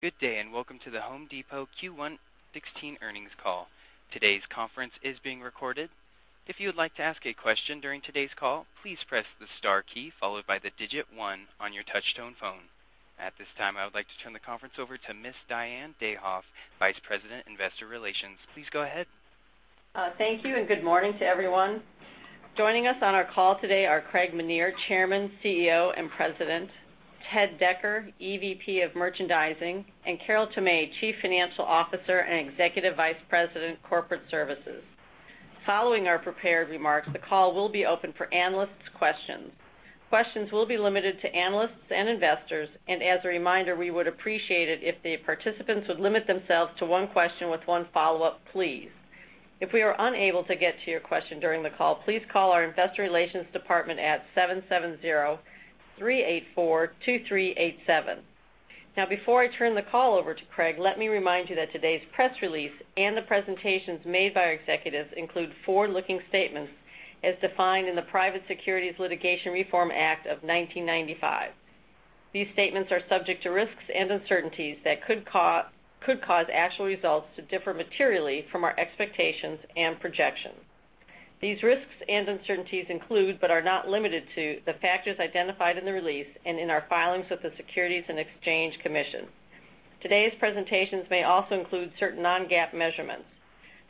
Good day, and welcome to The Home Depot Q1 2016 earnings call. Today's conference is being recorded. If you would like to ask a question during today's call, please press the star key, followed by the digit 1 on your touch-tone phone. At this time, I would like to turn the conference over to Ms. Diane Dayhoff, Vice President, Investor Relations. Please go ahead. Thank you, and good morning to everyone. Joining us on our call today are Craig Menear, Chairman, CEO, and President, Ted Decker, EVP of Merchandising, and Carol Tomé, Chief Financial Officer and Executive Vice President, Corporate Services. Following our prepared remarks, the call will be open for analysts' questions. Questions will be limited to analysts and investors, and as a reminder, we would appreciate it if the participants would limit themselves to one question with one follow-up, please. If we are unable to get to your question during the call, please call our investor relations department at 770-384-2387. Now, before I turn the call over to Craig, let me remind you that today's press release and the presentations made by our executives include forward-looking statements as defined in the Private Securities Litigation Reform Act of 1995. These statements are subject to risks and uncertainties that could cause actual results to differ materially from our expectations and projections. These risks and uncertainties include, but are not limited to, the factors identified in the release and in our filings with the Securities and Exchange Commission. Today's presentations may also include certain non-GAAP measurements.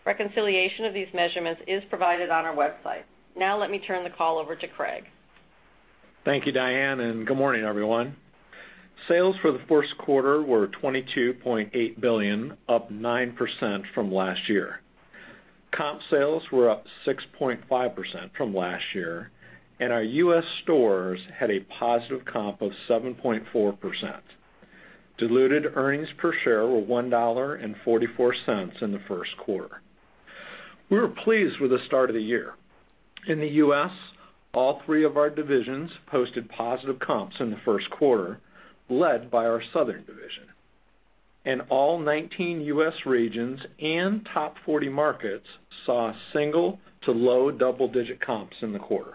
Reconciliation of these measurements is provided on our website. Now, let me turn the call over to Craig. Thank you, Diane, and good morning, everyone. Sales for the first quarter were $22.8 billion, up 9% from last year. Comp sales were up 6.5% from last year, and our U.S. stores had a positive comp of 7.4%. Diluted earnings per share were $1.44 in the first quarter. We were pleased with the start of the year. In the U.S., all three of our divisions posted positive comps in the first quarter, led by our Southern division. All 19 U.S. regions and top 40 markets saw single to low double-digit comps in the quarter.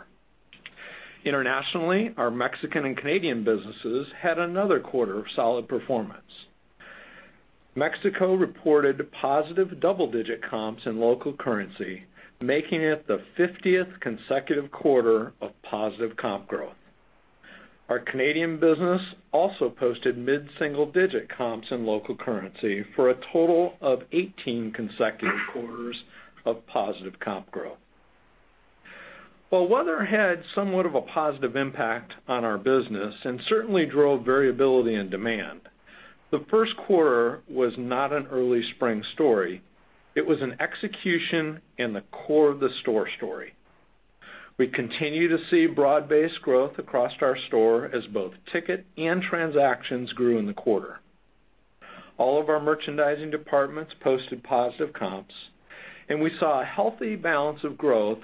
Internationally, our Mexican and Canadian businesses had another quarter of solid performance. Mexico reported positive double-digit comps in local currency, making it the 50th consecutive quarter of positive comp growth. Our Canadian business also posted mid-single digit comps in local currency for a total of 18 consecutive quarters of positive comp growth. While weather had somewhat of a positive impact on our business and certainly drove variability in demand, the first quarter was not an early spring story. It was an execution in the core of the store story. We continue to see broad-based growth across our store as both ticket and transactions grew in the quarter. All of our merchandising departments posted positive comps, and we saw a healthy balance of growth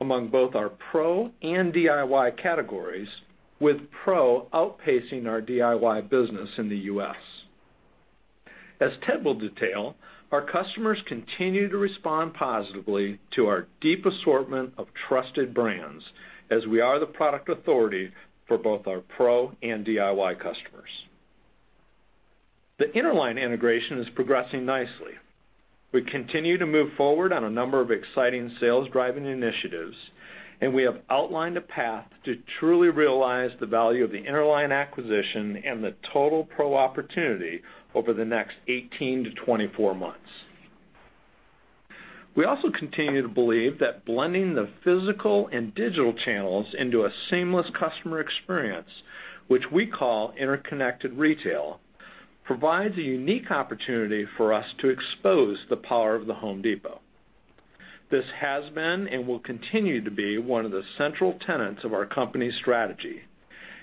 among both our pro and DIY categories, with pro outpacing our DIY business in the U.S. As Ted will detail, our customers continue to respond positively to our deep assortment of trusted brands, as we are the product authority for both our pro and DIY customers. The Interline integration is progressing nicely. We continue to move forward on a number of exciting sales-driving initiatives. We have outlined a path to truly realize the value of the Interline acquisition and the total pro opportunity over the next 18 to 24 months. We also continue to believe that blending the physical and digital channels into a seamless customer experience, which we call interconnected retail, provides a unique opportunity for us to expose the power of The Home Depot. This has been and will continue to be one of the central tenets of our company's strategy.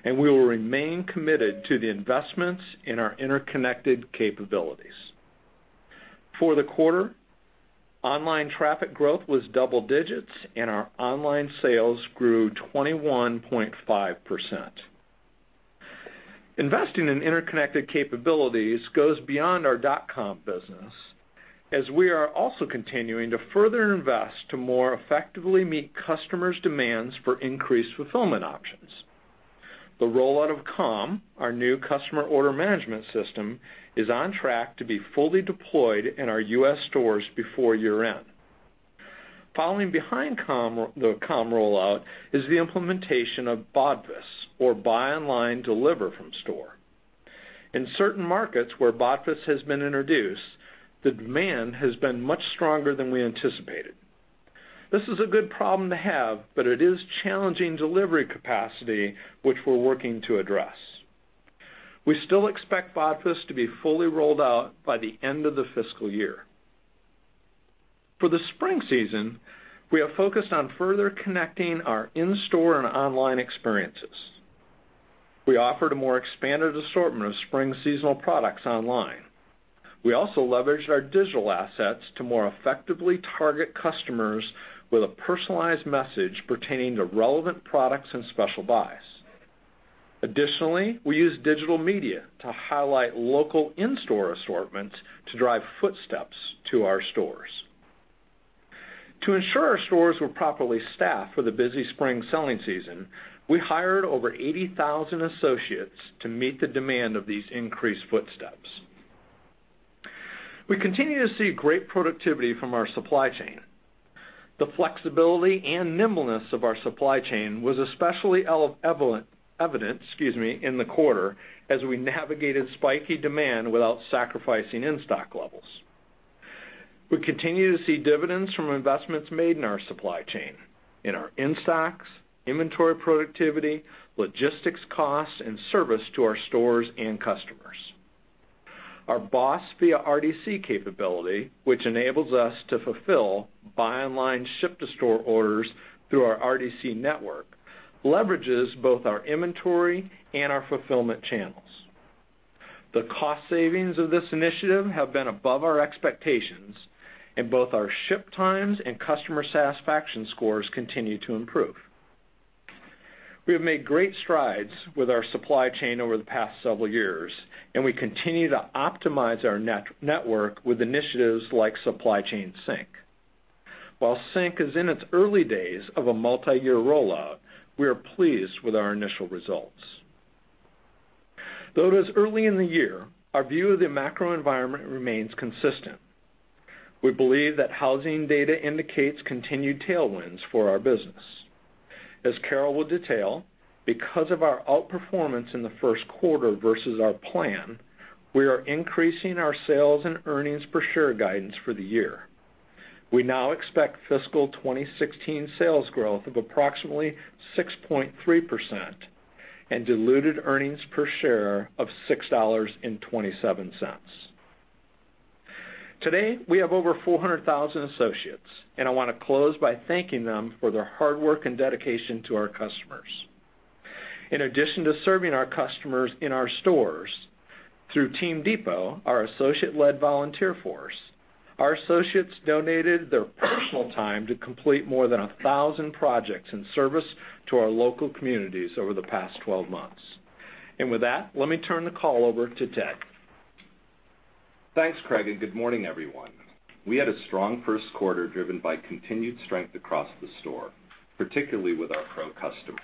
We will remain committed to the investments in our interconnected capabilities. For the quarter, online traffic growth was double digits. Our online sales grew 21.5%. Investing in interconnected capabilities goes beyond our dot-com business, as we are also continuing to further invest to more effectively meet customers' demands for increased fulfillment options. The rollout of COM, our new customer order management system, is on track to be fully deployed in our U.S. stores before year-end. Following behind the COM rollout is the implementation of BODFS, or buy online, deliver from store. In certain markets where BODFS has been introduced, the demand has been much stronger than we anticipated. This is a good problem to have. It is challenging delivery capacity, which we're working to address. We still expect BODFS to be fully rolled out by the end of the fiscal year. For the spring season, we have focused on further connecting our in-store and online experiences. We offered a more expanded assortment of spring seasonal products online. We also leveraged our digital assets to more effectively target customers with a personalized message pertaining to relevant products and special buys. Additionally, we used digital media to highlight local in-store assortments to drive footsteps to our stores. To ensure our stores were properly staffed for the busy spring selling season, we hired over 80,000 associates to meet the demand of these increased footsteps. We continue to see great productivity from our supply chain. The flexibility and nimbleness of our supply chain was especially evident, excuse me, in the quarter as we navigated spiky demand without sacrificing in-stock levels. We continue to see dividends from investments made in our supply chain, in our in-stocks, inventory productivity, logistics costs, and service to our stores and customers. Our BOSS via RDC capability, which enables us to fulfill buy online, ship to store orders through our RDC network, leverages both our inventory and our fulfillment channels. The cost savings of this initiative have been above our expectations, and both our ship times and customer satisfaction scores continue to improve. We have made great strides with our supply chain over the past several years, and we continue to optimize our network with initiatives like Supply Chain Sync. While Sync is in its early days of a multi-year rollout, we are pleased with our initial results. Though it is early in the year, our view of the macro environment remains consistent. We believe that housing data indicates continued tailwinds for our business. As Carol will detail, because of our outperformance in the first quarter versus our plan, we are increasing our sales and earnings per share guidance for the year. We now expect fiscal 2016 sales growth of approximately 6.3% and diluted earnings per share of $6.27. Today, we have over 400,000 associates. I want to close by thanking them for their hard work and dedication to our customers. In addition to serving our customers in our stores, through Team Depot, our associate-led volunteer force, our associates donated their personal time to complete more than 1,000 projects in service to our local communities over the past 12 months. With that, let me turn the call over to Ted. Thanks, Craig, and good morning, everyone. We had a strong first quarter driven by continued strength across the store, particularly with our pro customer.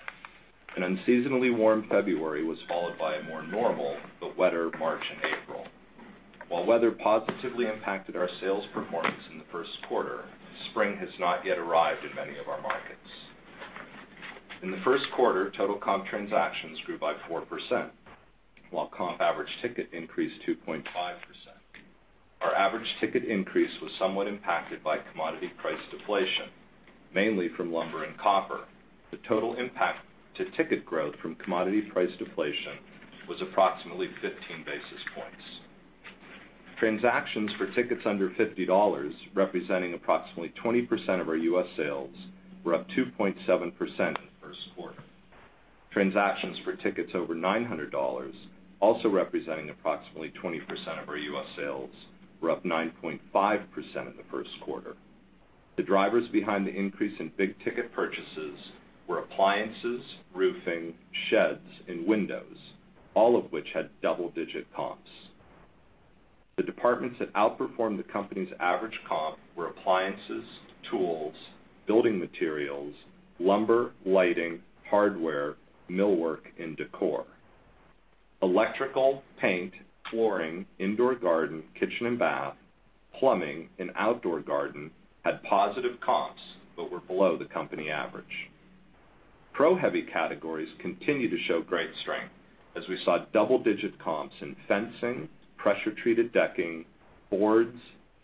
An unseasonably warm February was followed by a more normal but wetter March and April. While weather positively impacted our sales performance in the first quarter, spring has not yet arrived in many of our markets. In the first quarter, total comp transactions grew by 4%, while comp average ticket increased 2.5%. Our average ticket increase was somewhat impacted by commodity price deflation, mainly from lumber and copper. The total impact to ticket growth from commodity price deflation was approximately 15 basis points. Transactions for tickets under $50, representing approximately 20% of our U.S. sales, were up 2.7% in the first quarter. Transactions for tickets over $900, also representing approximately 20% of our U.S. sales, were up 9.5% in the first quarter. The drivers behind the increase in big-ticket purchases were appliances, roofing, sheds, and windows, all of which had double-digit comps. The departments that outperformed the company's average comp were appliances, tools, building materials, lumber, lighting, hardware, millwork, and decor. Electrical, paint, flooring, indoor garden, kitchen and bath, plumbing, and outdoor garden had positive comps but were below the company average. Pro heavy categories continue to show great strength as we saw double-digit comps in fencing, pressure-treated decking, boards,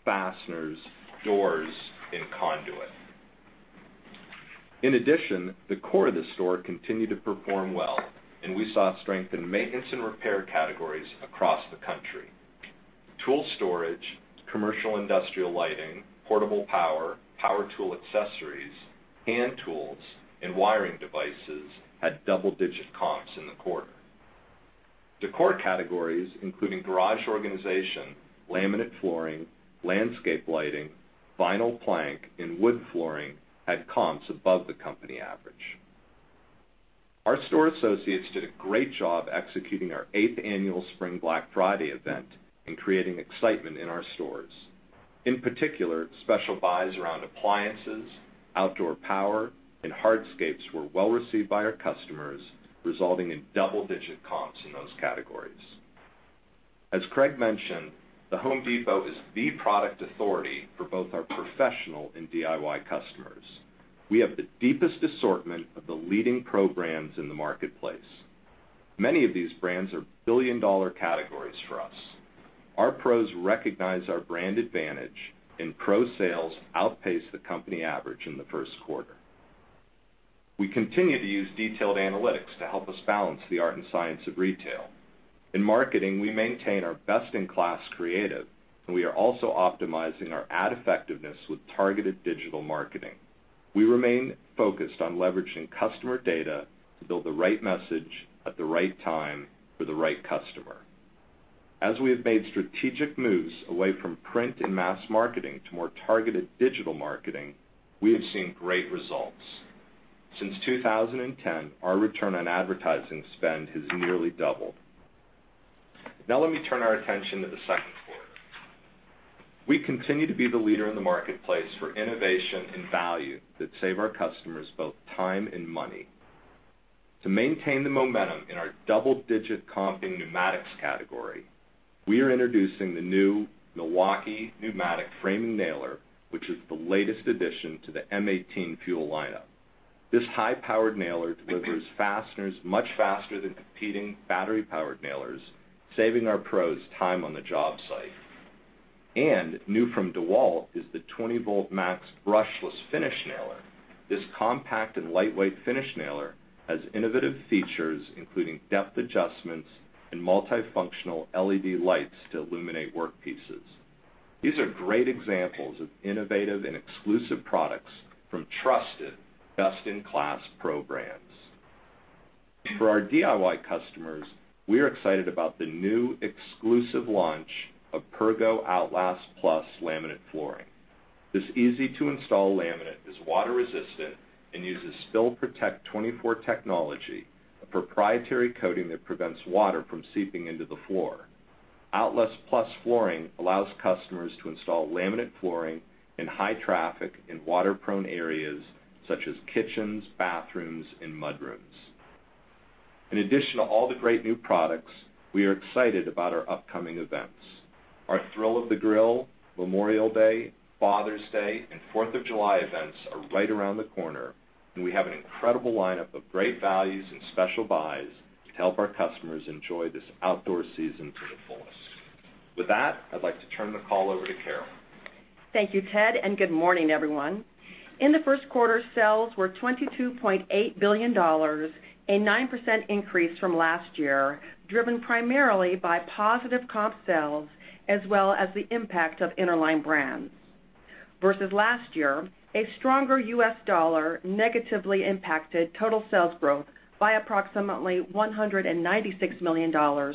fasteners, doors, and conduit. In addition, the core of the store continued to perform well, and we saw strength in maintenance and repair categories across the country. Tool storage, commercial industrial lighting, portable power tool accessories, hand tools, and wiring devices had double-digit comps in the quarter. Decor categories, including garage organization, laminate flooring, landscape lighting, vinyl plank, and wood flooring, had comps above the company average. Our store associates did a great job executing our eighth annual Spring Black Friday event and creating excitement in our stores. In particular, special buys around appliances, outdoor power, and hardscapes were well-received by our customers, resulting in double-digit comps in those categories. As Craig mentioned, The Home Depot is the product authority for both our professional and DIY customers. We have the deepest assortment of the leading programs in the marketplace. Many of these brands are billion-dollar categories for us. Our pros recognize our brand advantage. Pro sales outpaced the company average in the first quarter. We continue to use detailed analytics to help us balance the art and science of retail. We are also optimizing our ad effectiveness with targeted digital marketing. We remain focused on leveraging customer data to build the right message at the right time for the right customer. As we have made strategic moves away from print and mass marketing to more targeted digital marketing, we have seen great results. Since 2010, our return on advertising spend has nearly doubled. Now let me turn our attention to the second quarter. We continue to be the leader in the marketplace for innovation and value that save our customers both time and money. To maintain the momentum in our double-digit comp in pneumatics category, we are introducing the new Milwaukee pneumatic framing nailer, which is the latest addition to the M18 FUEL lineup. This high-powered nailer delivers fasteners much faster than competing battery-powered nailers, saving our pros time on the job site. New from DeWalt is the 20-volt MAX brushless finish nailer. This compact and lightweight finish nailer has innovative features, including depth adjustments and multifunctional LED lights to illuminate workpieces. These are great examples of innovative and exclusive products from trusted, best-in-class pro brands. For our DIY customers, we are excited about the new exclusive launch of Pergo Outlast Plus laminate flooring. This easy-to-install laminate is water-resistant and uses SpillProtect 24 technology, a proprietary coating that prevents water from seeping into the floor. Outlast Plus flooring allows customers to install laminate flooring in high-traffic and water-prone areas such as kitchens, bathrooms, and mudrooms. In addition to all the great new products, we are excited about our upcoming events. Our Thrill of the Grill, Memorial Day, Father's Day, and Fourth of July events are right around the corner. We have an incredible lineup of great values and special buys to help our customers enjoy this outdoor season to the fullest. With that, I'd like to turn the call over to Carol. Thank you, Ted, and good morning, everyone. In the first quarter, sales were $22.8 billion, a 9% increase from last year, driven primarily by positive comp sales, as well as the impact of Interline Brands. Versus last year, a stronger U.S. dollar negatively impacted total sales growth by approximately $196 million, or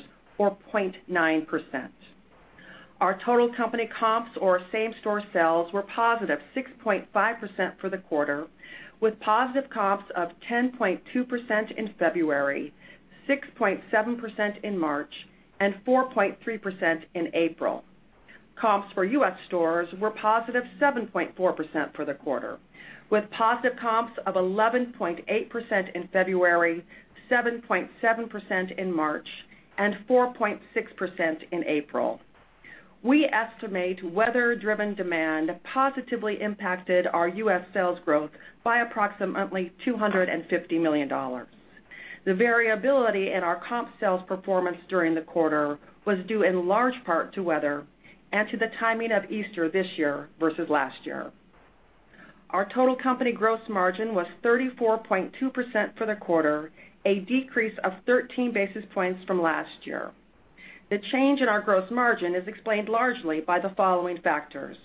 0.9%. Our total company comps or same-store sales were positive 6.5% for the quarter, with positive comps of 10.2% in February, 6.7% in March, and 4.3% in April. Comps for U.S. stores were positive 7.4% for the quarter, with positive comps of 11.8% in February, 7.7% in March, and 4.6% in April. We estimate weather-driven demand positively impacted our U.S. sales growth by approximately $250 million. The variability in our comp sales performance during the quarter was due in large part to weather and to the timing of Easter this year versus last year. Our total company gross margin was 34.2% for the quarter, a decrease of 13 basis points from last year. The change in our gross margin is explained largely by the following factors.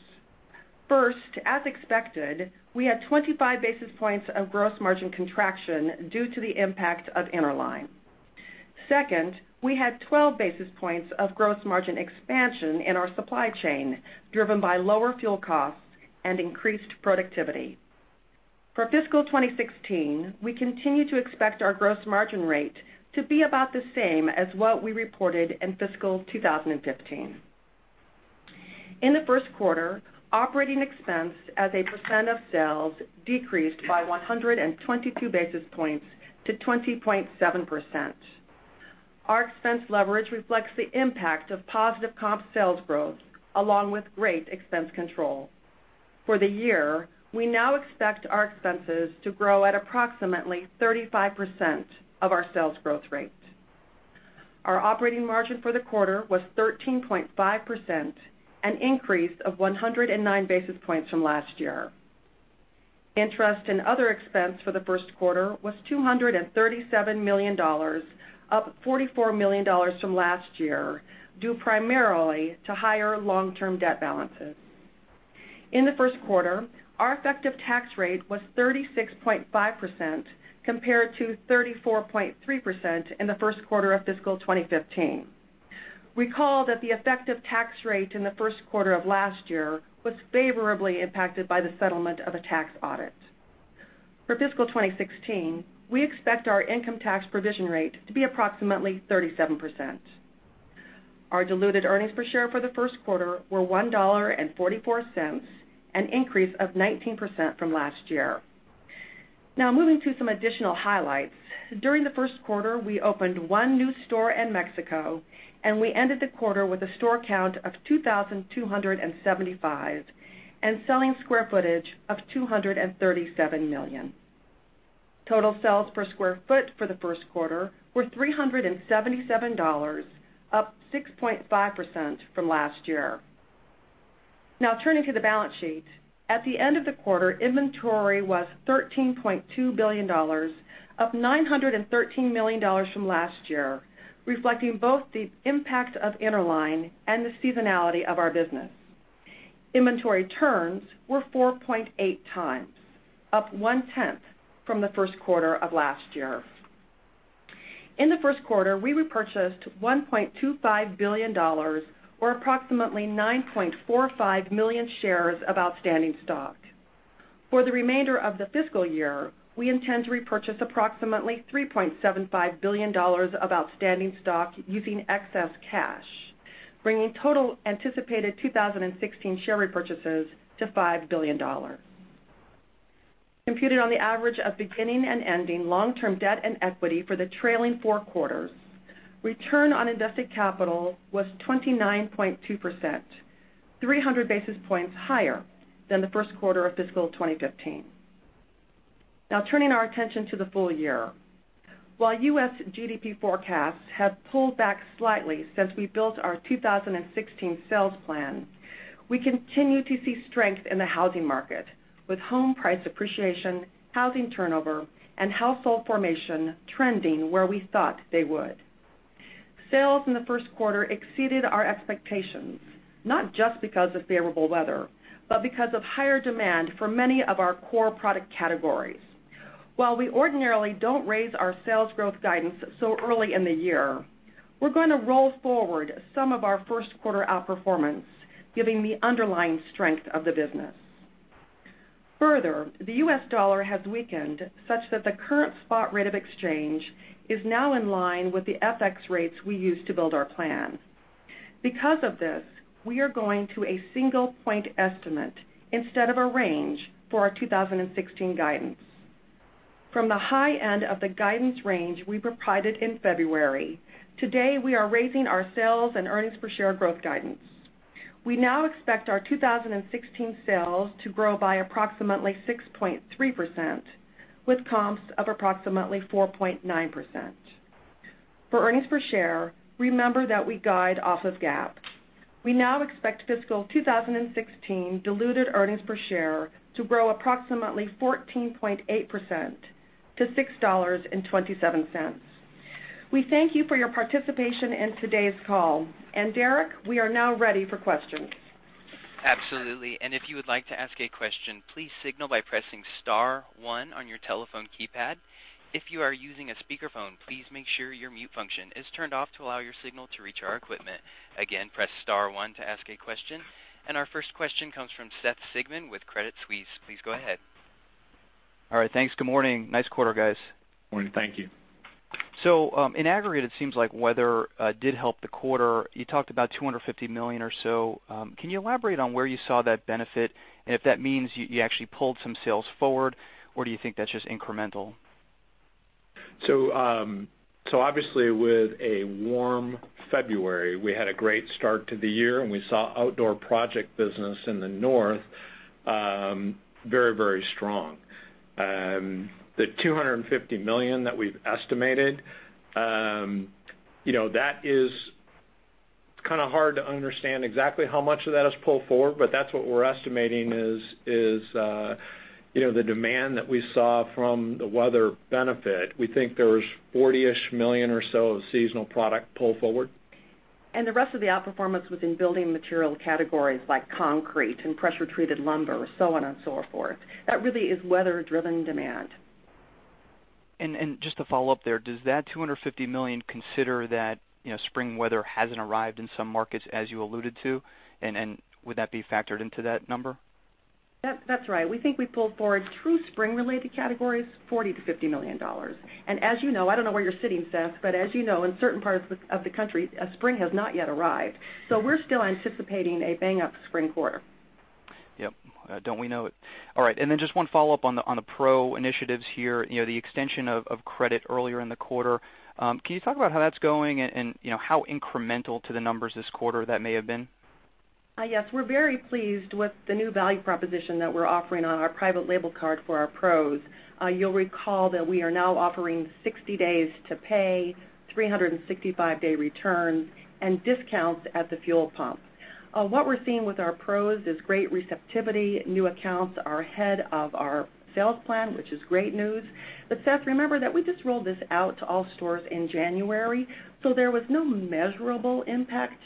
First, as expected, we had 25 basis points of gross margin contraction due to the impact of Interline. Second, we had 12 basis points of gross margin expansion in our supply chain, driven by lower fuel costs and increased productivity. For fiscal 2016, we continue to expect our gross margin rate to be about the same as what we reported in fiscal 2015. In the first quarter, operating expense as a percent of sales decreased by 122 basis points to 20.7%. Our expense leverage reflects the impact of positive comp sales growth along with great expense control. For the year, we now expect our expenses to grow at approximately 35% of our sales growth rate. Our operating margin for the quarter was 13.5%, an increase of 109 basis points from last year. Interest and other expense for the first quarter was $237 million, up $44 million from last year, due primarily to higher long-term debt balances. In the first quarter, our effective tax rate was 36.5%, compared to 34.3% in the first quarter of fiscal 2015. Recall that the effective tax rate in the first quarter of last year was favorably impacted by the settlement of a tax audit. For fiscal 2016, we expect our income tax provision rate to be approximately 37%. Our diluted earnings per share for the first quarter were $1.44, an increase of 19% from last year. Now, moving to some additional highlights. During the first quarter, we opened one new store in Mexico, and we ended the quarter with a store count of 2,275 and selling square footage of 237 million. Total sales per square foot for the first quarter were $377, up 6.5% from last year. Now turning to the balance sheet. At the end of the quarter, inventory was $13.2 billion, up $913 million from last year, reflecting both the impact of Interline and the seasonality of our business. Inventory turns were 4.8 times, up one-tenth from the first quarter of last year. In the first quarter, we repurchased $1.25 billion, or approximately 9.45 million shares of outstanding stock. For the remainder of the fiscal year, we intend to repurchase approximately $3.75 billion of outstanding stock using excess cash, bringing total anticipated 2016 share repurchases to $5 billion. Computed on the average of beginning and ending long-term debt and equity for the trailing four quarters, return on invested capital was 29.2%, 300 basis points higher than the first quarter of fiscal 2015. Turning our attention to the full year. While U.S. GDP forecasts have pulled back slightly since we built our 2016 sales plan, we continue to see strength in the housing market, with home price appreciation, housing turnover, and household formation trending where we thought they would. Sales in the first quarter exceeded our expectations, not just because of favorable weather, but because of higher demand for many of our core product categories. While we ordinarily don't raise our sales growth guidance so early in the year, we're going to roll forward some of our first quarter outperformance, giving the underlying strength of the business. Further, the U.S. dollar has weakened such that the current spot rate of exchange is now in line with the FX rates we used to build our plan. Because of this, we are going to a single point estimate instead of a range for our 2016 guidance. From the high end of the guidance range we provided in February, today we are raising our sales and earnings per share growth guidance. We now expect our 2016 sales to grow by approximately 6.3%, with comps of approximately 4.9%. For earnings per share, remember that we guide off of GAAP. We now expect fiscal 2016 diluted earnings per share to grow approximately 14.8% to $6.27. We thank you for your participation in today's call. Derek, we are now ready for questions. Absolutely. If you would like to ask a question, please signal by pressing *1 on your telephone keypad. If you are using a speakerphone, please make sure your mute function is turned off to allow your signal to reach our equipment. Again, press *1 to ask a question. Our first question comes from Seth Sigman with Credit Suisse. Please go ahead. All right. Thanks. Good morning. Nice quarter, guys. Morning. Thank you. In aggregate, it seems like weather did help the quarter. You talked about $250 million or so. Can you elaborate on where you saw that benefit and if that means you actually pulled some sales forward, or do you think that's just incremental? Obviously, with a warm February, we had a great start to the year, and we saw outdoor project business in the north very strong. The $250 million that we've estimated, it's kind of hard to understand exactly how much of that is pulled forward, but that's what we're estimating is the demand that we saw from the weather benefit. We think there was $40 million or so of seasonal product pulled forward. The rest of the outperformance was in building material categories like concrete and pressure-treated lumber, so on and so forth. That really is weather-driven demand. Just to follow up there, does that $250 million consider that spring weather hasn't arrived in some markets as you alluded to? Would that be factored into that number? That's right. We think we pulled forward true spring-related categories, $40 million-$50 million. As you know, I don't know where you're sitting, Seth, but as you know, in certain parts of the country, spring has not yet arrived. We're still anticipating a bang-up spring quarter. Yep. Don't we know it. All right. Just one follow-up on the pro initiatives here, the extension of credit earlier in the quarter. Can you talk about how that's going and how incremental to the numbers this quarter that may have been? Yes. We're very pleased with the new value proposition that we're offering on our private label card for our pros. You'll recall that we are now offering 60 days to pay, 365-day returns, and discounts at the fuel pump. What we're seeing with our pros is great receptivity. New accounts are ahead of our sales plan, which is great news. Seth, remember that we just rolled this out to all stores in January, there was no measurable impact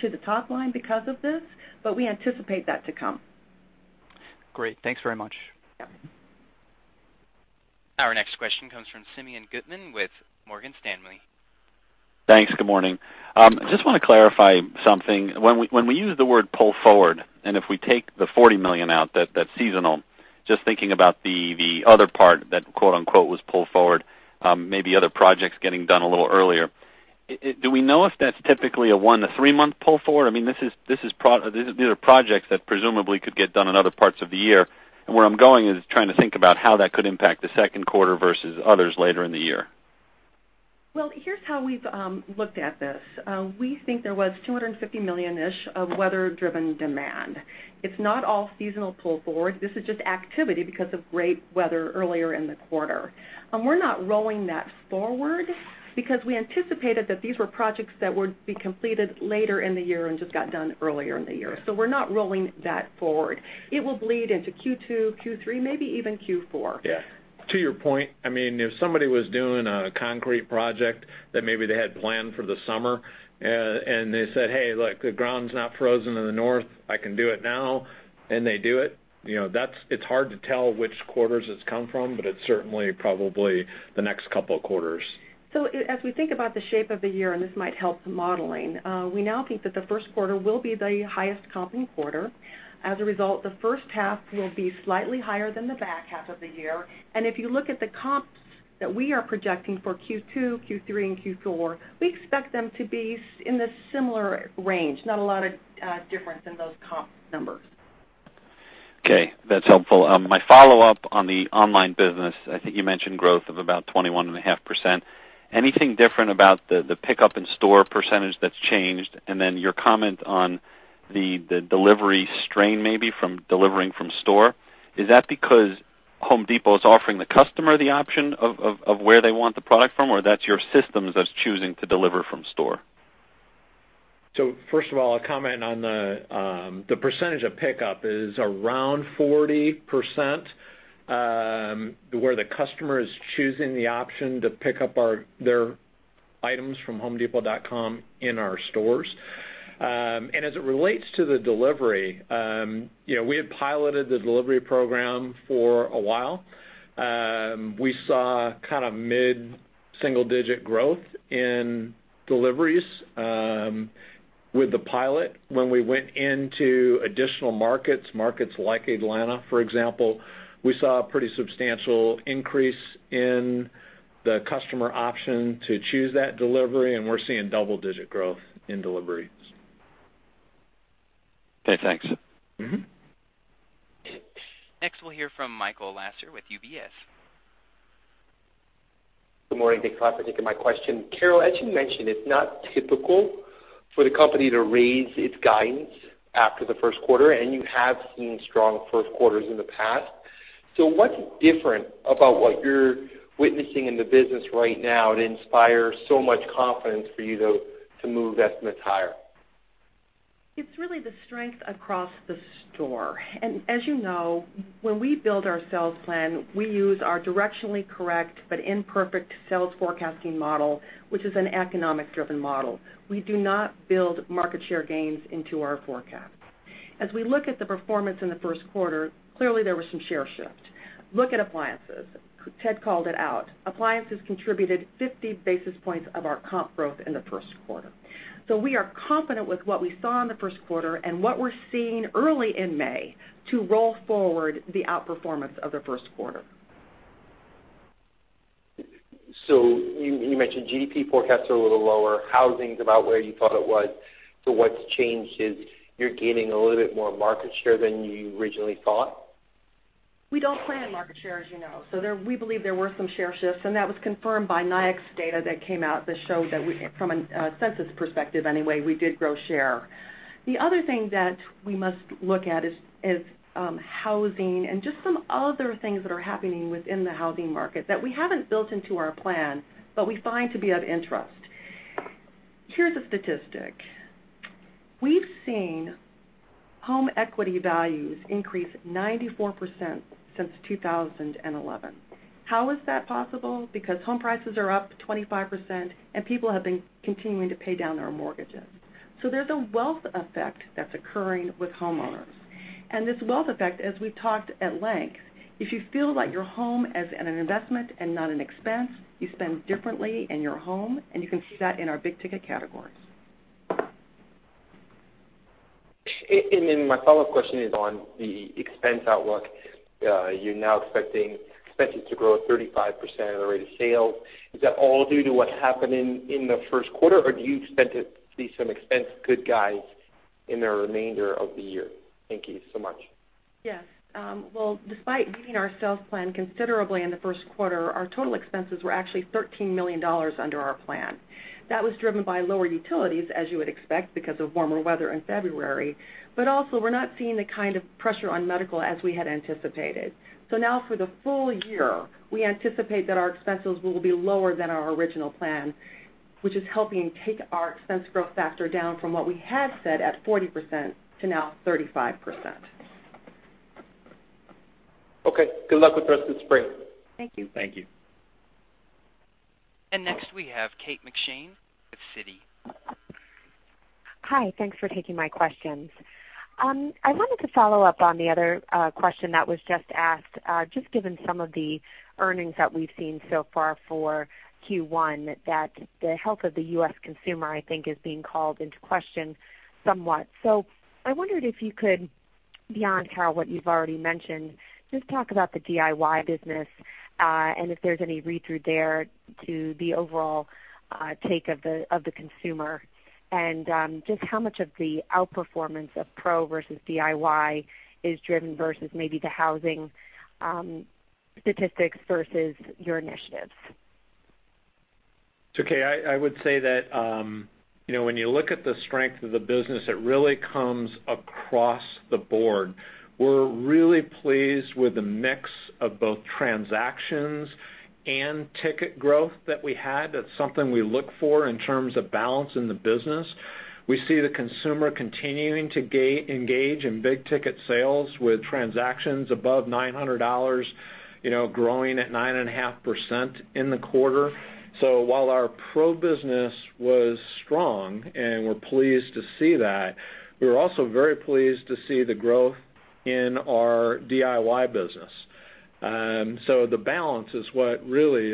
to the top line because of this, but we anticipate that to come. Great. Thanks very much. Yep. Our next question comes from Simeon Gutman with Morgan Stanley. Thanks. Good morning. Just want to clarify something. When we use the word pull forward, if we take the $40 million out, that's seasonal, just thinking about the other part that quote unquote was pulled forward, maybe other projects getting done a little earlier. Do we know if that's typically a one to three-month pull forward? These are projects that presumably could get done in other parts of the year. Where I'm going is trying to think about how that could impact the second quarter versus others later in the year. Well, here's how we've looked at this. We think there was $250 million-ish of weather-driven demand. It's not all seasonal pull forward. This is just activity because of great weather earlier in the quarter. We're not rolling that forward because we anticipated that these were projects that would be completed later in the year and just got done earlier in the year. We're not rolling that forward. It will bleed into Q2, Q3, maybe even Q4. Yeah. To your point, if somebody was doing a concrete project that maybe they had planned for the summer and they said, "Hey, look, the ground's not frozen in the north. I can do it now," and they do it's hard to tell which quarters it's come from, but it's certainly probably the next couple of quarters. As we think about the shape of the year, and this might help modeling, we now think that the first quarter will be the highest comping quarter. As a result, the first half will be slightly higher than the back half of the year. If you look at the comps that we are projecting for Q2, Q3, and Q4, we expect them to be in the similar range, not a lot of difference in those comp numbers. Okay, that's helpful. My follow-up on the online business, I think you mentioned growth of about 21.5%. Anything different about the pickup in store percentage that's changed? Your comment on the delivery strain, maybe from delivering from store. Is that because Home Depot is offering the customer the option of where they want the product from, or that's your systems that's choosing to deliver from store? First of all, I'll comment on the percentage of pickup is around 40%, where the customer is choosing the option to pick up their items from homedepot.com in our stores. As it relates to the delivery, we had piloted the delivery program for a while. We saw mid-single digit growth in deliveries with the pilot. When we went into additional markets like Atlanta, for example, we saw a pretty substantial increase in the customer option to choose that delivery, and we're seeing double-digit growth in deliveries. Okay, thanks. Next, we'll hear from Michael Lasser with UBS. Good morning. Thanks a lot for taking my question. Carol, as you mentioned, it's not typical for the company to raise its guidance after the first quarter, and you have seen strong first quarters in the past. What's different about what you're witnessing in the business right now to inspire so much confidence for you to move estimates higher? It's really the strength across the store. As you know, when we build our sales plan, we use our directionally correct, but imperfect, sales forecasting model, which is an economic-driven model. We do not build market share gains into our forecast. As we look at the performance in the first quarter, clearly there was some share shift. Look at appliances. Ted called it out. Appliances contributed 50 basis points of our comp growth in the first quarter. We are confident with what we saw in the first quarter and what we're seeing early in May to roll forward the outperformance of the first quarter. You mentioned GDP forecasts are a little lower. Housing's about where you thought it was. What's changed is you're gaining a little bit more market share than you originally thought? We don't plan market share, as you know. We believe there were some share shifts, and that was confirmed by NAICS data that came out that showed that, from a census perspective anyway, we did grow share. The other thing that we must look at is housing and just some other things that are happening within the housing market that we haven't built into our plan but we find to be of interest. Here's a statistic. We've seen home equity values increase 94% since 2011. How is that possible? Because home prices are up 25% and people have been continuing to pay down their mortgages. There's a wealth effect that's occurring with homeowners. This wealth effect, as we've talked at length, if you feel like your home is an investment and not an expense, you spend differently in your home, and you can see that in our big-ticket categories. My follow-up question is on the expense outlook. You're now expecting expenses to grow at 35% of the rate of sale. Is that all due to what happened in the first quarter, or do you expect to see some expense good guys in the remainder of the year? Thank you so much. Well, despite beating our sales plan considerably in the first quarter, our total expenses were actually $13 million under our plan. That was driven by lower utilities, as you would expect because of warmer weather in February. Also, we're not seeing the kind of pressure on medical as we had anticipated. Now for the full year, we anticipate that our expenses will be lower than our original plan, which is helping take our expense growth factor down from what we had said at 40% to now 35%. Okay. Good luck with the rest of the spring. Thank you. Thank you. Next we have Kate McShane with Citi. Hi. Thanks for taking my questions. I wanted to follow up on the other question that was just asked, just given some of the earnings that we've seen so far for Q1, that the health of the U.S. consumer, I think, is being called into question somewhat. I wondered if you could, beyond, Carol, what you've already mentioned, just talk about the DIY business and if there's any read-through there to the overall take of the consumer, and just how much of the outperformance of pro versus DIY is driven versus maybe the housing statistics versus your initiatives. Kate, I would say that when you look at the strength of the business, it really comes across the board. We're really pleased with the mix of both transactions and ticket growth that we had. That's something we look for in terms of balance in the business. We see the consumer continuing to engage in big-ticket sales with transactions above $900, growing at 9.5% in the quarter. While our pro business was strong, and we're pleased to see that, we were also very pleased to see the growth in our DIY business. The balance is what really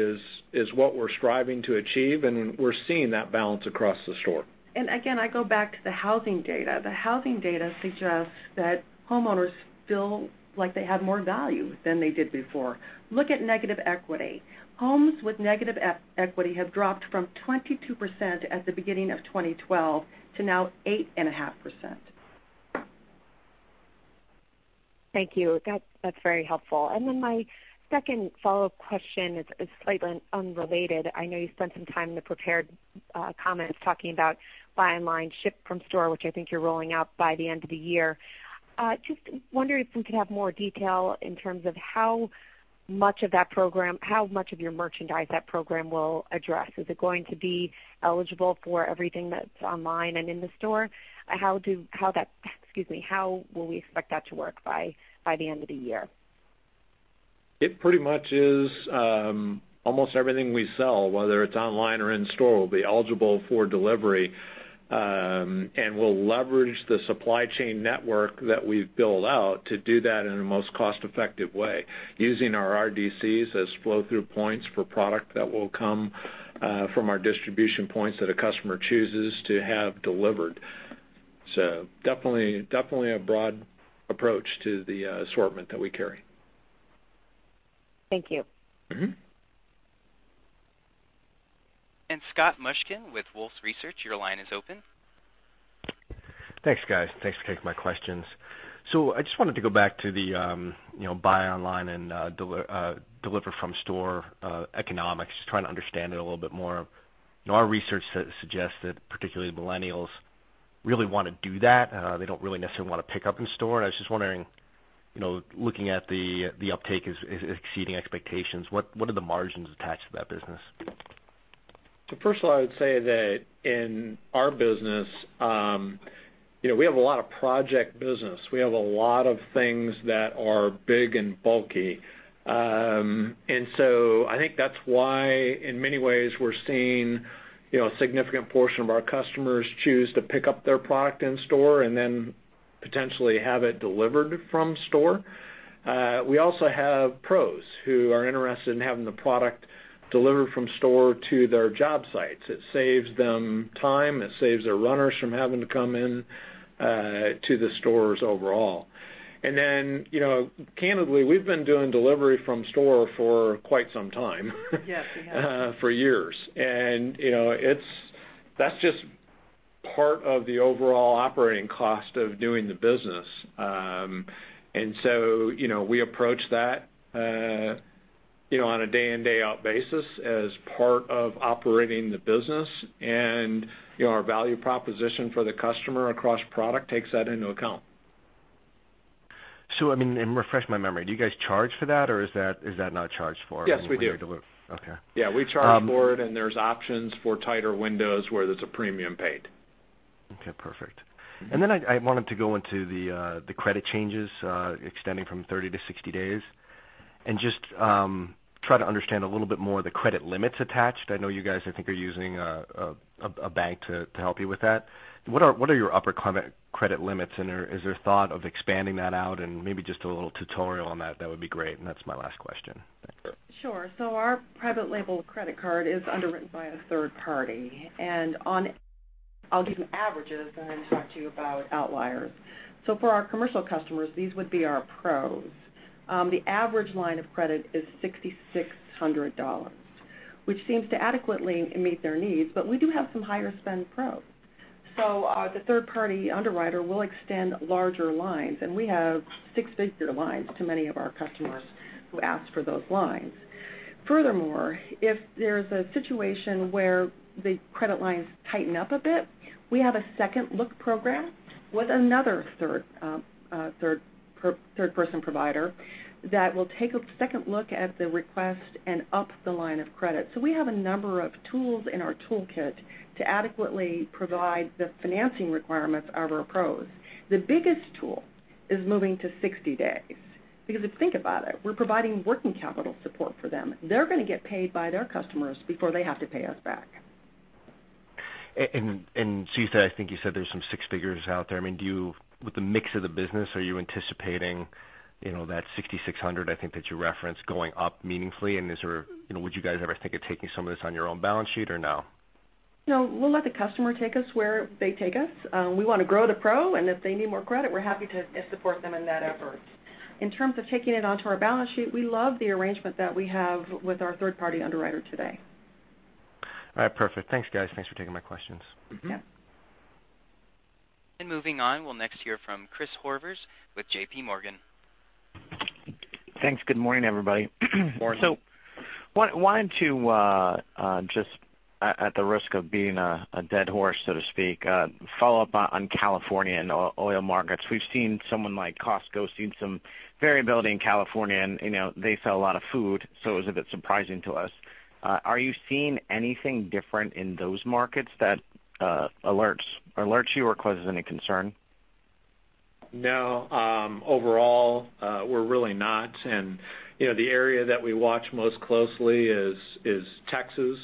is what we're striving to achieve, and we're seeing that balance across the store. Again, I go back to the housing data. The housing data suggests that homeowners feel like they have more value than they did before. Look at negative equity. Homes with negative equity have dropped from 22% at the beginning of 2012 to now 8.5%. Thank you. That's very helpful. Then my second follow-up question is slightly unrelated. I know you spent some time in the prepared comments talking about buy online, ship from store, which I think you're rolling out by the end of the year. Just wondering if we could have more detail in terms of how much of your merchandise that program will address. Is it going to be eligible for everything that's online and in the store? How will we expect that to work by the end of the year? It pretty much is almost everything we sell, whether it's online or in store, will be eligible for delivery. We'll leverage the supply chain network that we've built out to do that in the most cost-effective way, using our RDCs as flow-through points for product that will come from our distribution points that a customer chooses to have delivered. Definitely a broad approach to the assortment that we carry. Thank you. Scott Mushkin with Wolfe Research, your line is open. Thanks, guys. Thanks for taking my questions. I just wanted to go back to the buy online and deliver from store economics, just trying to understand it a little bit more. Our research suggests that particularly millennials really want to do that. They don't really necessarily want to pick up in store. I was just wondering, looking at the uptake is exceeding expectations, what are the margins attached to that business? First of all, I would say that in our business, we have a lot of project business. We have a lot of things that are big and bulky. I think that's why, in many ways, we're seeing a significant portion of our customers choose to pick up their product in store and then potentially have it delivered from store. We also have pros who are interested in having the product delivered from store to their job sites. It saves them time. It saves their runners from having to come in to the stores overall. Candidly, we've been doing delivery from store for quite some time. Yes, we have. For years. That's just part of the overall operating cost of doing the business. We approach that on a day in, day out basis as part of operating the business, and our value proposition for the customer across product takes that into account. refresh my memory, do you guys charge for that, or is that not charged for? Yes, we do when we deliver? Okay. we charge for it, and there's options for tighter windows where there's a premium paid. Okay, perfect. I wanted to go into the credit changes extending from 30 to 60 days and just try to understand a little bit more the credit limits attached. I know you guys, I think, are using a bank to help you with that. What are your upper credit limits, and is there thought of expanding that out and maybe just a little tutorial on that? That would be great. That's my last question. Thanks. Sure. Our private label credit card is underwritten by a third party. I'll give you averages, and then talk to you about outliers. For our commercial customers, these would be our pros. The average line of credit is $6,600, which seems to adequately meet their needs, but we do have some higher spend pros. The third-party underwriter will extend larger lines, and we have six-figure lines to many of our customers who ask for those lines. Furthermore, if there's a situation where the credit lines tighten up a bit, we have a second look program with another third-party provider that will take a second look at the request and up the line of credit. We have a number of tools in our toolkit to adequately provide the financing requirements of our pros. The biggest tool is moving to 60 days because if you think about it, we're providing working capital support for them. They're going to get paid by their customers before they have to pay us back. You said, I think you said there's some six figures out there. With the mix of the business, are you anticipating that $6,600 I think that you referenced going up meaningfully, and would you guys ever think of taking some of this on your own balance sheet or no? We'll let the customer take us where they take us. We want to grow the pro, and if they need more credit, we're happy to support them in that effort. In terms of taking it onto our balance sheet, we love the arrangement that we have with our third-party underwriter today. Perfect. Thanks, guys. Thanks for taking my questions. Yeah. Moving on, we'll next hear from Chris Horvers with JPMorgan. Thanks. Good morning, everybody. Morning. Wanted to, just at the risk of being a dead horse, so to speak, follow up on California and oil markets. We've seen someone like Costco seeing some variability in California and they sell a lot of food, so it was a bit surprising to us. Are you seeing anything different in those markets that alerts you or causes any concern? No. Overall, we're really not and the area that we watch most closely is Texas.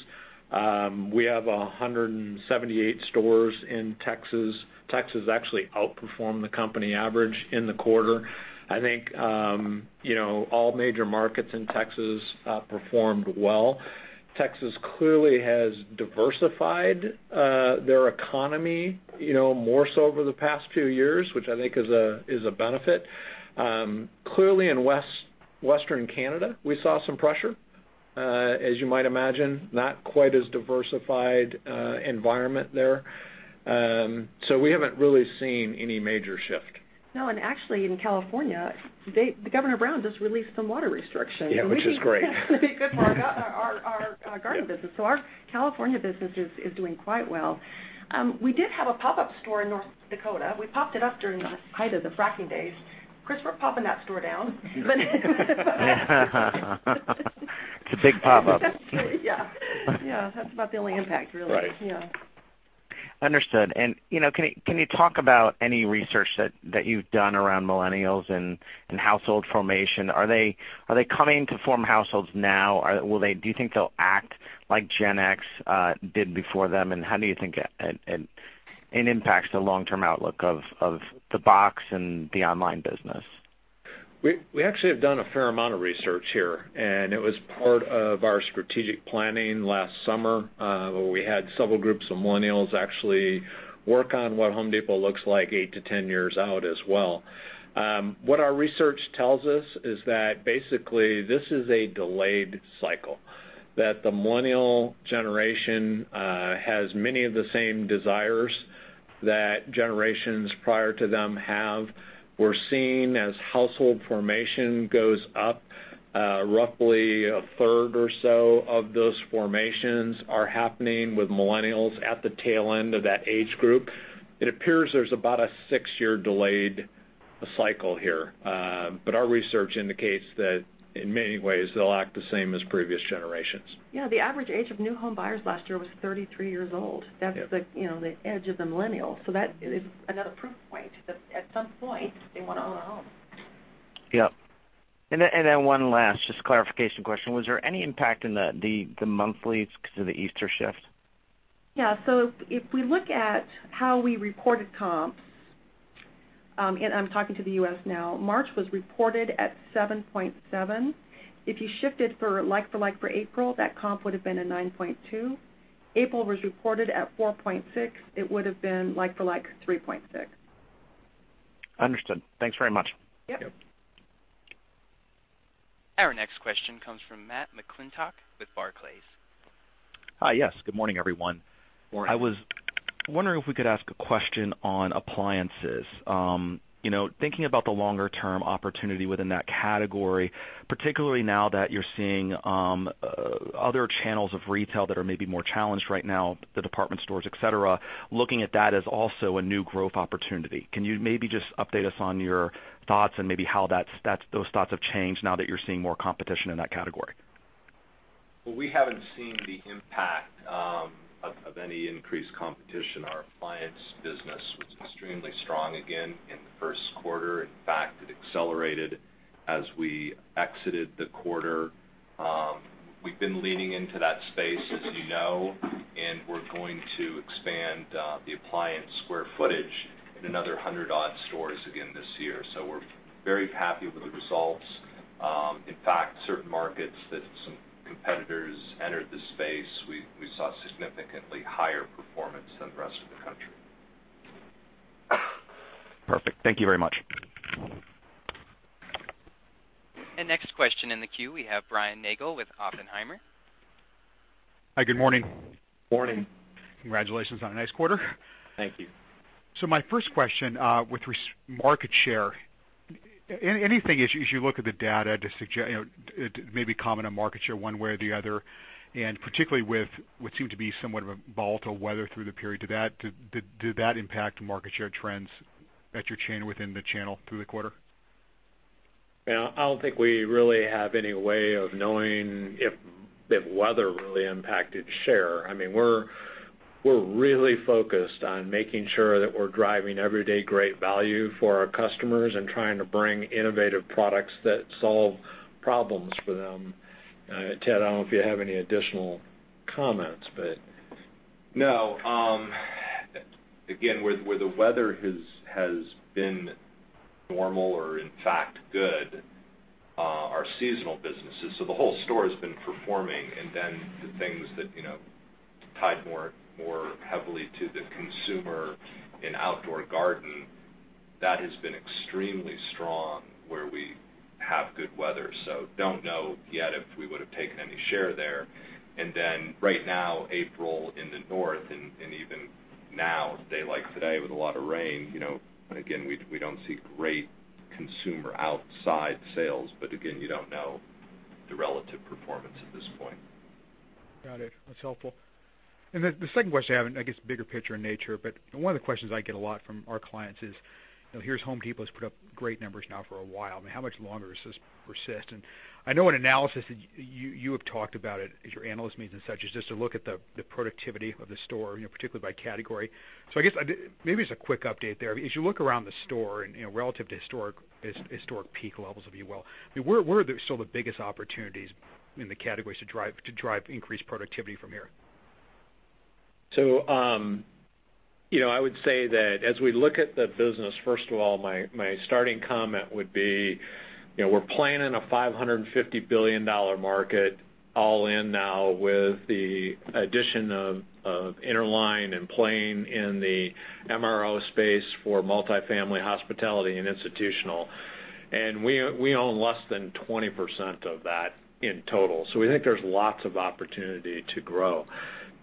We have 178 stores in Texas. Texas actually outperformed the company average in the quarter. I think all major markets in Texas performed well. Texas clearly has diversified their economy more so over the past few years, which I think is a benefit. Clearly in Western Canada, we saw some pressure As you might imagine, not quite as diversified environment there. We haven't really seen any major shift. No, actually in California, the Governor Brown just released some water restrictions. Yeah, which is great. It'll be good for our garden business. Our California business is doing quite well. We did have a pop-up store in North Dakota. We popped it up during the height of the fracking days. Chris, we're popping that store down. It's a big pop-up. Yeah. That's about the only impact, really. Right. Yeah. Understood. Can you talk about any research that you've done around millennials and household formation? Are they coming to form households now? Do you think they'll act like Gen X did before them? How do you think it impacts the long-term outlook of the box and the online business? We actually have done a fair amount of research here. It was part of our strategic planning last summer, where we had several groups of millennials actually work on what The Home Depot looks like eight to 10 years out as well. What our research tells us is that basically this is a delayed cycle, that the millennial generation has many of the same desires that generations prior to them have. We're seeing as household formation goes up, roughly a third or so of those formations are happening with millennials at the tail end of that age group. It appears there's about a six-year delayed cycle here. Our research indicates that in many ways, they'll act the same as previous generations. Yeah. The average age of new home buyers last year was 33 years old. Yeah. That is the edge of the millennials. That is another proof point that at some point they want to own a home. Yep. One last just clarification question. Was there any impact in the monthly because of the Easter shift? Yeah. If we look at how we reported comps, and I am talking to the U.S. now, March was reported at 7.7. If you shift it for like-for-like for April, that comp would've been a 9.2. April was reported at 4.6. It would've been like-for-like 3.6. Understood. Thanks very much. Yep. Yep. Our next question comes from Matthew McClintock with Barclays. Hi. Yes. Good morning, everyone. Morning. I was wondering if we could ask a question on appliances. Thinking about the longer-term opportunity within that category, particularly now that you're seeing other channels of retail that are maybe more challenged right now, the department stores, et cetera, looking at that as also a new growth opportunity. Can you maybe just update us on your thoughts and maybe how those thoughts have changed now that you're seeing more competition in that category? Well, we haven't seen the impact of any increased competition. Our appliance business was extremely strong again in the first quarter. In fact, it accelerated as we exited the quarter. We've been leaning into that space, as you know, and we're going to expand the appliance square footage in another 100-odd stores again this year. We're very happy with the results. In fact, certain markets that some competitors entered the space, we saw significantly higher performance than the rest of the country. Perfect. Thank you very much. Next question in the queue, we have Brian Nagel with Oppenheimer. Hi. Good morning. Morning. Congratulations on a nice quarter. Thank you. My first question, with market share, anything as you look at the data to suggest, it may be comment on market share one way or the other, and particularly with what seemed to be somewhat of a volatile weather through the period, did that impact market share trends at your chain within the channel through the quarter? I don't think we really have any way of knowing if the weather really impacted share. We're really focused on making sure that we're driving everyday great value for our customers and trying to bring innovative products that solve problems for them. Ted, I don't know if you have any additional comments. No. Again, where the weather has been normal or in fact good, our seasonal businesses, so the whole store has been performing, and then the things that tied more heavily to the consumer in outdoor garden, that has been extremely strong where we have good weather. Don't know yet if we would've taken any share there. Right now, April in the north and even now, a day like today with a lot of rain, again, we don't see great consumer outside sales, but again, you don't know the relative performance at this point. Got it. That's helpful. Then the second question I have, and I guess bigger picture in nature, but one of the questions I get a lot from our clients is, here's The Home Depot has put up great numbers now for a while. How much longer does this persist? I know in analysis that you have talked about it at your analyst meetings and such, is just to look at the productivity of the store, particularly by category. I guess, maybe just a quick update there. As you look around the store and relative to historic peak levels, if you will, where are still the biggest opportunities in the categories to drive increased productivity from here? I would say that as we look at the business, first of all, my starting comment would be, we're playing in a $550 billion market all in now with the addition of Interline and playing in the MRO space for multifamily hospitality and institutional. We own less than 20% of that in total. We think there's lots of opportunity to grow.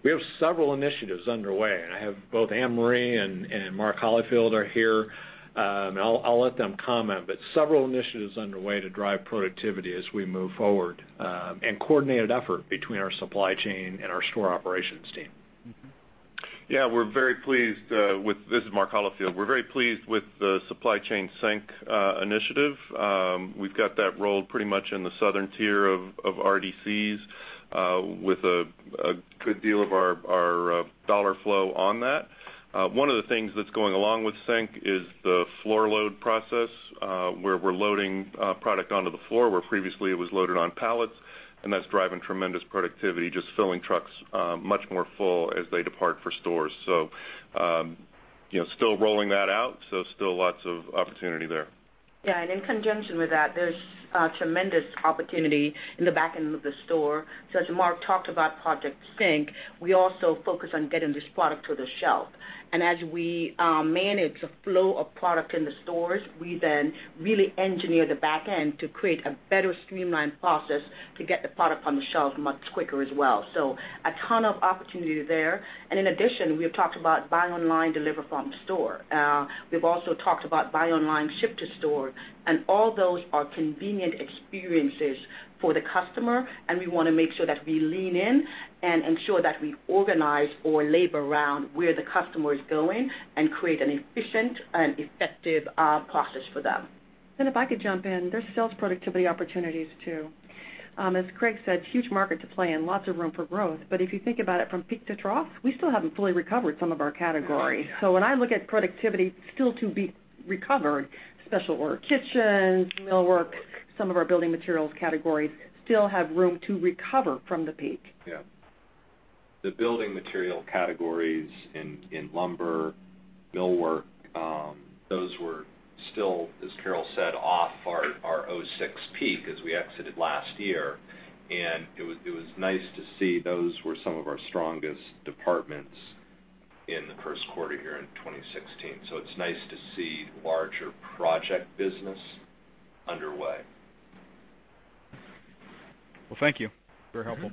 We have several initiatives underway, I have both Ann-Marie and Mark Holifield are here. I'll let them comment, but several initiatives underway to drive productivity as we move forward, and coordinated effort between our supply chain and our store operations team. This is Mark Holifield. We're very pleased with the Supply Chain Sync initiative. We've got that rolled pretty much in the southern tier of RDCs with a good deal of our dollar flow on that. One of the things that's going along with sync is the floor load process, where we're loading product onto the floor, where previously it was loaded on pallets, and that's driving tremendous productivity, just filling trucks much more full as they depart for stores. Still rolling that out. Still lots of opportunity there. Yeah, in conjunction with that, there's tremendous opportunity in the back end of the store. As Mark talked about Project Sync, we also focus on getting this product to the shelf. As we manage the flow of product in the stores, we then really engineer the back end to create a better streamlined process to get the product on the shelves much quicker as well. A ton of opportunity there. In addition, we have talked about buy online, deliver from the store. We've also talked about Buy Online, Ship to Store. All those are convenient experiences for the customer, and we want to make sure that we lean in and ensure that we organize our labor around where the customer is going and create an efficient and effective process for them. If I could jump in, there's sales productivity opportunities, too. As Craig said, huge market to play in, lots of room for growth. If you think about it from peak to trough, we still haven't fully recovered some of our categories. When I look at productivity still to be recovered, special order kitchens, millwork, some of our building materials categories still have room to recover from the peak. Yeah. The building material categories in lumber, millwork, those were still, as Carol said, off our 2006 peak as we exited last year. It was nice to see those were some of our strongest departments in the first quarter here in 2016. It's nice to see larger project business underway. Well, thank you. Very helpful.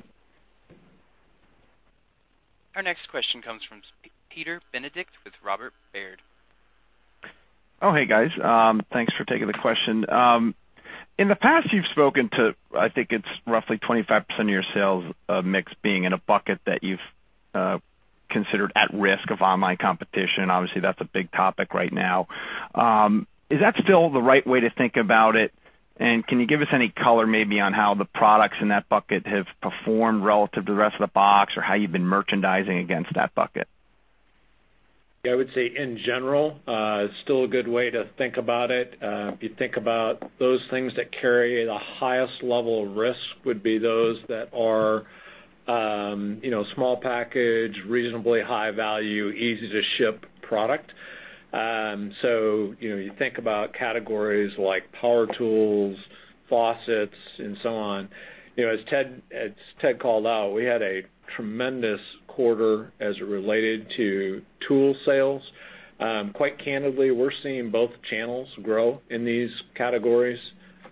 Our next question comes from Peter Benedict with Robert W. Baird. Oh, hey, guys. Thanks for taking the question. In the past, you've spoken to, I think it's roughly 25% of your sales mix being in a bucket that you've considered at risk of online competition. Obviously, that's a big topic right now. Is that still the right way to think about it? Can you give us any color maybe on how the products in that bucket have performed relative to the rest of the box, or how you've been merchandising against that bucket? Yeah, I would say in general, still a good way to think about it. If you think about those things that carry the highest level of risk would be those that are small package, reasonably high value, easy to ship product. You think about categories like power tools, faucets, and so on. As Ted called out, we had a tremendous quarter as it related to tool sales. Quite candidly, we're seeing both channels grow in these categories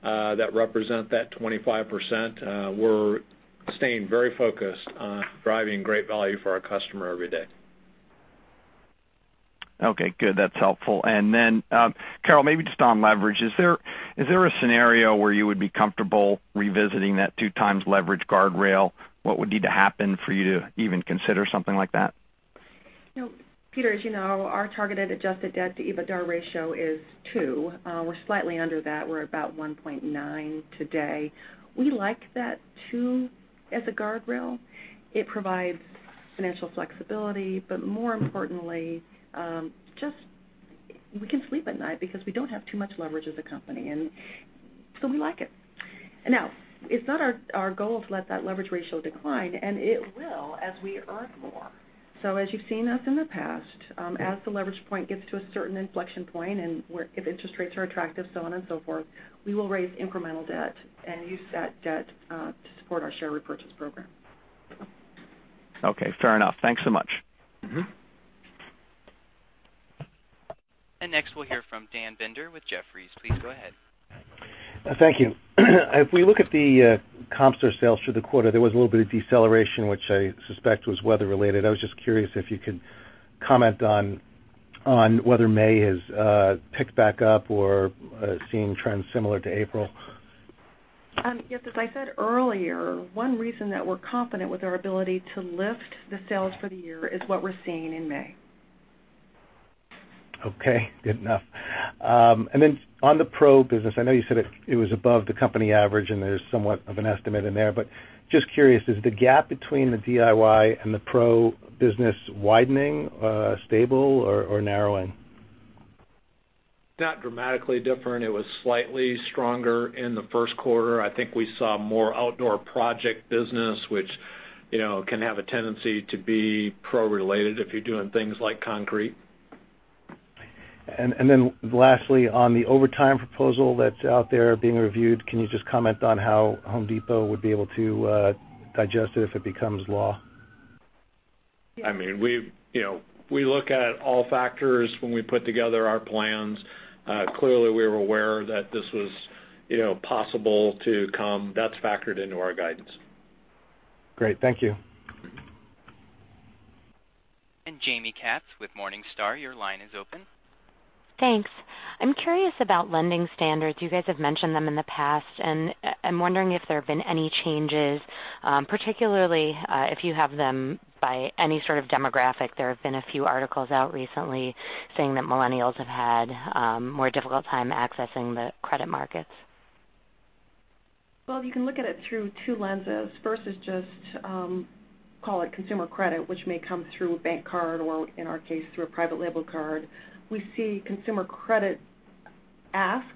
that represent that 25%. We're staying very focused on driving great value for our customer every day. Okay, good. That's helpful. Carol, maybe just on leverage. Is there a scenario where you would be comfortable revisiting that 2x leverage guardrail? What would need to happen for you to even consider something like that? Peter, as you know, our targeted adjusted debt to EBITDA ratio is 2. We're slightly under that. We're about 1.9 today. We like that 2 as a guardrail. It provides financial flexibility, but more importantly, just we can sleep at night because we don't have too much leverage as a company, we like it. It's not our goal to let that leverage ratio decline, and it will as we earn more. As you've seen us in the past, as the leverage point gets to a certain inflection point and if interest rates are attractive, so on and so forth, we will raise incremental debt and use that debt to support our share repurchase program. Okay. Fair enough. Thanks so much. Next, we'll hear from Dan Binder with Jefferies. Please go ahead. Thank you. If we look at the comp store sales for the quarter, there was a little bit of deceleration, which I suspect was weather related. I was just curious if you could comment on whether May has picked back up or seeing trends similar to April. Yes, as I said earlier, one reason that we're confident with our ability to lift the sales for the year is what we're seeing in May. Okay. Good enough. Then on the pro business, I know you said it was above the company average, there's somewhat of an estimate in there, but just curious, is the gap between the DIY and the pro business widening, stable, or narrowing? Not dramatically different. It was slightly stronger in the first quarter. I think we saw more outdoor project business, which can have a tendency to be pro related if you're doing things like concrete. Then lastly, on the overtime proposal that's out there being reviewed, can you just comment on how The Home Depot would be able to digest it if it becomes law? I mean, we look at all factors when we put together our plans. Clearly, we were aware that this was possible to come. That's factored into our guidance. Great. Thank you. Jaime Katz with Morningstar, your line is open. Thanks. I'm curious about lending standards. You guys have mentioned them in the past, and I'm wondering if there have been any changes, particularly if you have them by any sort of demographic. There have been a few articles out recently saying that millennials have had a more difficult time accessing the credit markets. You can look at it through two lenses. First is just call it consumer credit, which may come through a bank card or, in our case, through a private label card. We see consumer credit asks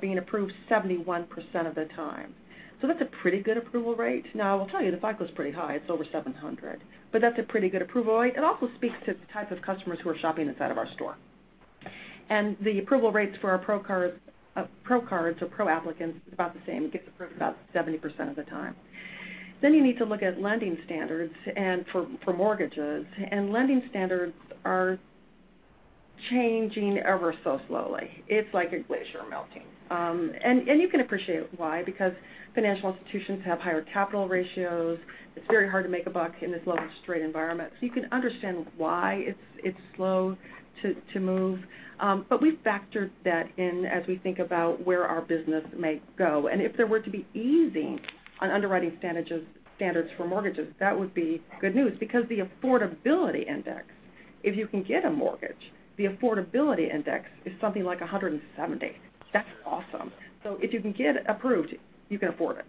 being approved 71% of the time. That's a pretty good approval rate. I will tell you, the FICO is pretty high. It's over 700. That's a pretty good approval rate. It also speaks to the type of customers who are shopping inside of our store. The approval rates for our Pro cards or Pro applicants is about the same. It gets approved about 70% of the time. You need to look at lending standards and for mortgages, lending standards are changing ever so slowly. It's like a glacier melting. You can appreciate why, because financial institutions have higher capital ratios. It's very hard to make a buck in this low interest rate environment. You can understand why it's slow to move. We've factored that in as we think about where our business may go. If there were to be easing on underwriting standards for mortgages, that would be good news because the affordability index, if you can get a mortgage, the affordability index is something like 170. That's awesome. If you can get approved, you can afford it.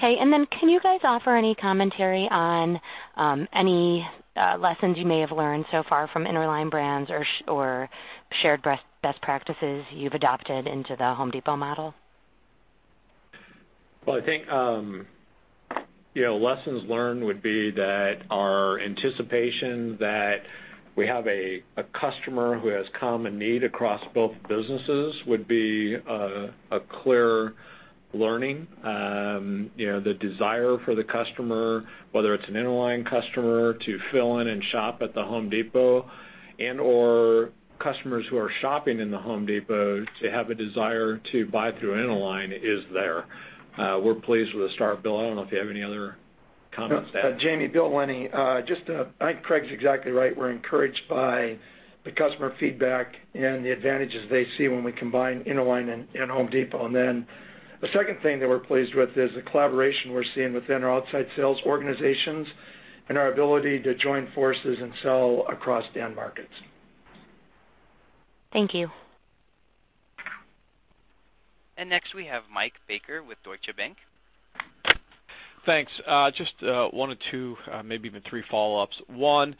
Can you guys offer any commentary on any lessons you may have learned so far from Interline Brands or shared best practices you've adopted into The Home Depot model? I think, lessons learned would be that our anticipation that we have a customer who has common need across both businesses would be a clear learning. The desire for the customer, whether it's an Interline customer, to fill in and shop at The Home Depot and/or customers who are shopping in The Home Depot to have a desire to buy through Interline is there. We're pleased with the start. Bill, I don't know if you have any other comments to add. Jaime, Bill Lennie. I think Craig's exactly right. We're encouraged by the customer feedback and the advantages they see when we combine Interline and Home Depot. The second thing that we're pleased with is the collaboration we're seeing within our outside sales organizations and our ability to join forces and sell across end markets. Thank you. Next we have Michael Baker with Deutsche Bank. Thanks. Just one or two, maybe even three follow-ups. One,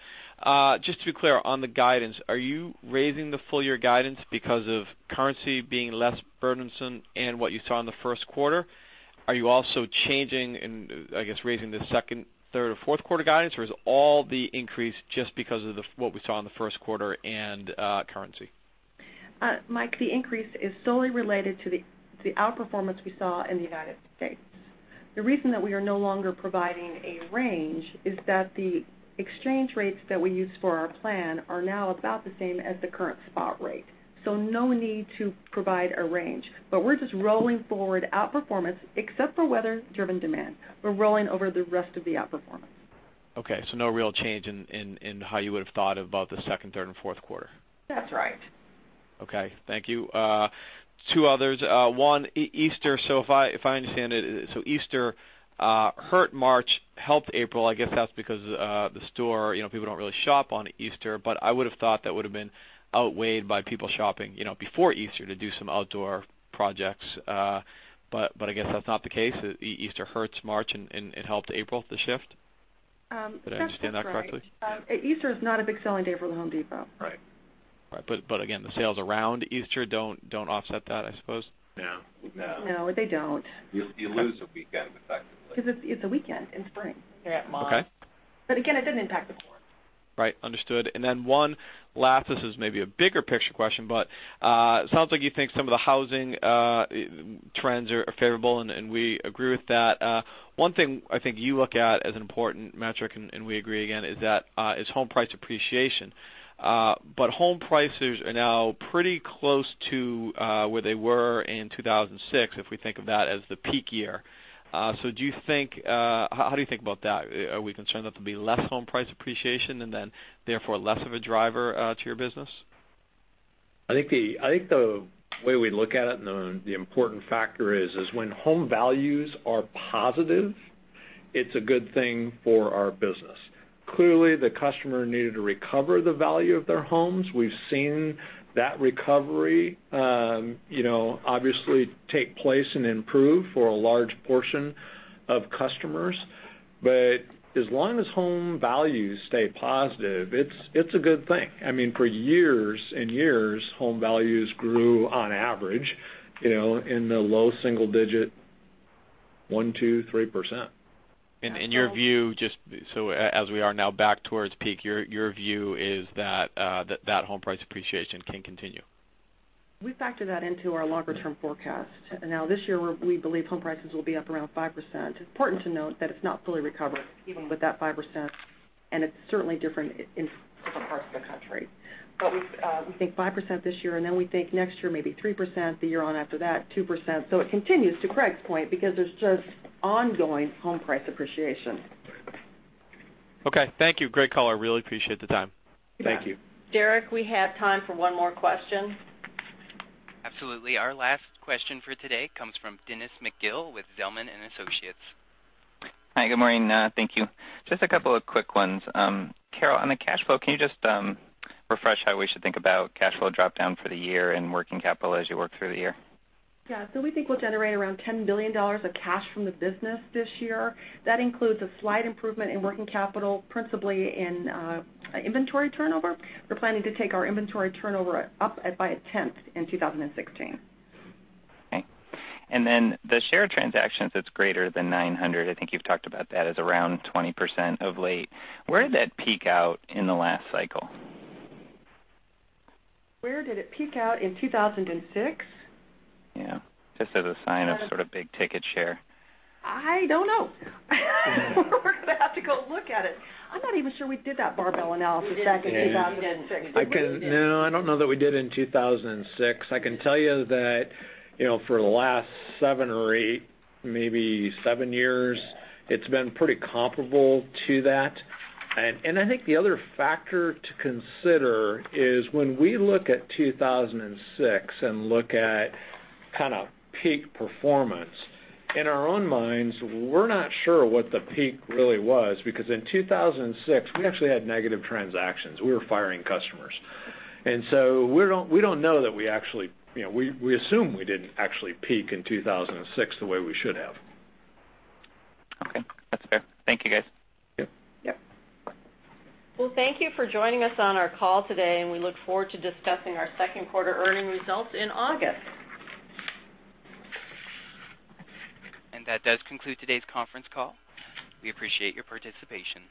just to be clear on the guidance, are you raising the full year guidance because of currency being less burdensome and what you saw in the first quarter? Are you also changing and, I guess, raising the second, third, or fourth quarter guidance, or is all the increase just because of what we saw in the first quarter and currency? Mike, the increase is solely related to the outperformance we saw in the U.S. The reason that we are no longer providing a range is that the exchange rates that we use for our plan are now about the same as the current spot rate. No need to provide a range. We're just rolling forward outperformance, except for weather-driven demand. We're rolling over the rest of the outperformance. Okay, no real change in how you would have thought about the second, third, and fourth quarter. That's right. Okay. Thank you. Two others. One, Easter. If I understand it, so Easter hurt March, helped April. I guess that's because the store, people don't really shop on Easter, I would have thought that would have been outweighed by people shopping before Easter to do some outdoor projects. I guess that's not the case. Easter hurts March, and it helped April, the shift? That's correct. Did I understand that correctly? Easter is not a big selling day for The Home Depot. Right. Again, the sales around Easter don't offset that, I suppose? No. No, they don't. You lose a weekend, effectively. It's a weekend in spring. Okay. Again, it didn't impact the quarter. Right. Understood. One last, this is maybe a bigger picture question, it sounds like you think some of the housing trends are favorable, and we agree with that. One thing I think you look at as an important metric, and we agree again, is home price appreciation. Home prices are now pretty close to where they were in 2006, if we think of that as the peak year. How do you think about that? Are we concerned that there'll be less home price appreciation and therefore less of a driver to your business? I think the way we look at it the important factor is when home values are positive, it's a good thing for our business. Clearly, the customer needed to recover the value of their homes. We've seen that recovery obviously take place and improve for a large portion of customers. As long as home values stay positive, it's a good thing. I mean, for years and years, home values grew on average in the low single digit 1%, 2%, 3%. In your view, just as we are now back towards peak, your view is that that home price appreciation can continue? We factor that into our longer-term forecast. This year, we believe home prices will be up around 5%. Important to note that it's not fully recovered even with that 5%, it's certainly different in different parts of the country. We think 5% this year, we think next year maybe 3%, the year on after that, 2%. It continues, to Craig's point, because there's just ongoing home price appreciation. Okay. Thank you. Great call. I really appreciate the time. Yeah. Thank you. Derek, we have time for one more question. Absolutely. Our last question for today comes from Dennis McGill with Zelman & Associates. Hi, good morning. Thank you. Just a couple of quick ones. Carol, on the cash flow, can you just refresh how we should think about cash flow drop down for the year and working capital as you work through the year? Yeah. We think we'll generate around $10 billion of cash from the business this year. That includes a slight improvement in working capital, principally in inventory turnover. We're planning to take our inventory turnover up by a tenth in 2016. Okay. The share transactions that's greater than 900, I think you've talked about that as around 20% of late. Where did that peak out in the last cycle? Where did it peak out, in 2006? Yeah. Just as a sign of sort of big ticket share. I don't know. We're going to have to go look at it. I'm not even sure we did that barbell analysis back in 2006. No, I don't know that we did in 2006. I can tell you that for the last seven or eight, maybe seven years, it's been pretty comparable to that. I think the other factor to consider is when we look at 2006 and look at kind of peak performance, in our own minds, we're not sure what the peak really was because in 2006, we actually had negative transactions. We were firing customers. We assume we didn't actually peak in 2006 the way we should have. Okay. That's fair. Thank you, guys. Yep. Yep. Well, thank you for joining us on our call today. We look forward to discussing our second quarter earnings results in August. That does conclude today's conference call. We appreciate your participation.